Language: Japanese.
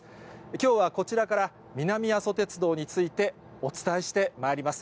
きょうはこちらから南阿蘇鉄道についてお伝えしてまいります。